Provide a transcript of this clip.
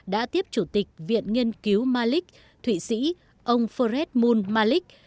đã tiếp chủ tịch viện nghiên cứu malik thụy sĩ ông fred moon malik